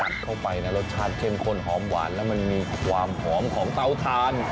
เข้าไปนะรสชาติเข้มข้นหอมหวานแล้วมันมีความหอมของเตาทาน